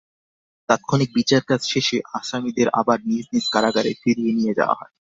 তাৎক্ষণিক বিচারকাজ শেষে আসামিদের আবার নিজ নিজ কারাগারে ফিরিয়ে নিয়ে যাওয়া হয়।